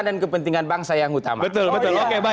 dan kepentingan bangsa yang utama